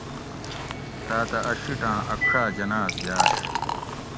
تاۤتہ اۤ شیٹاۤں اچاۤ جناز گاش